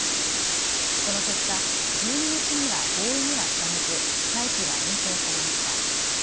その結果、１２日には合意には至らず会期は延長されました。